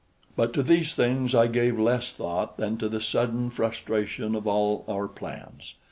But to these things I gave less thought than to the sudden frustration of all our plans.